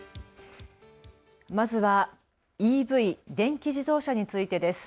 まずはＥＶ・電気自動車についてです。